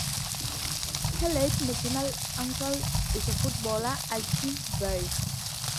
Her late maternal uncle is footballer Archie Baird.